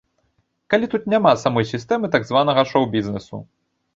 Калі тут няма самой сістэмы так званага шоу-бізнесу!